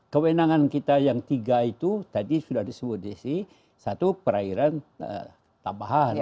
kewenangan kita yang tiga itu tadi sudah disebut desi satu perairan tambahan